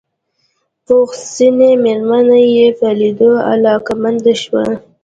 پوخ سنې مېرمن يې په ليدو علاقه منده شوه.